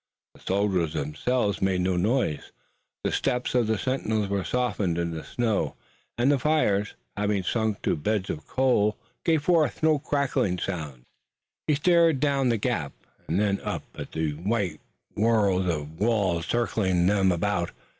The soldiers themselves made no noise. The steps of the sentinels were softened in the snow, and the fires, having sunk to beds of coals, gave forth no crackling sounds. He stared down the gap, and then up at the white world of walls circling them about.